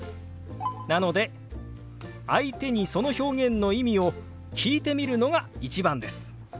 なので相手にその表現の意味を聞いてみるのが一番です。